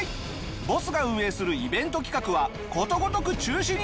ボスが運営するイベント企画はことごとく中止に！